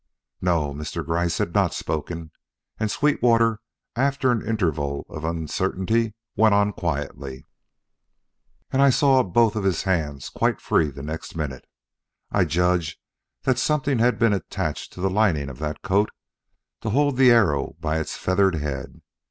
No, Mr. Gryce had not spoken; and Sweetwater, after an interval of uncertainty, went quietly on: "As I saw both of his hands quite free the next minute, I judge that something had been attached to the lining of that coat to hold the arrow by its feathered head.